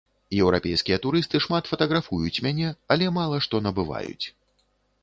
Еўрапейскія турысты шмат фатаграфуюць мяне, але мала што набываюць.